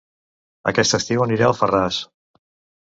Aquest estiu aniré a Alfarràs